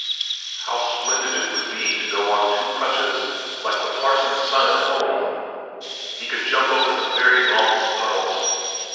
How splendid it would be to go on two crutches like the parson's son at home! He could jump over the very longest puddles.